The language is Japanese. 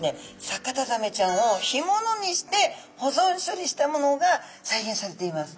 サカタザメちゃんを干物にして保存処理したものが再現されています。